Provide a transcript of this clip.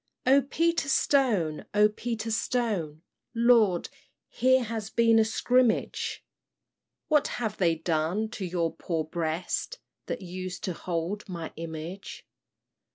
"O Peter Stone, O Peter Stone, Lord, here has been a skrimmage! What have they done to your poor breast That used to hold my image?"